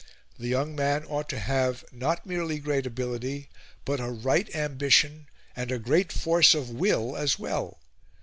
The young man ought to have not merely great ability, but a right ambition, and great force of will as well.